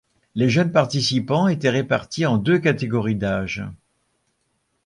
Les jeunes participants étaient répartis en deux catégories d'âge.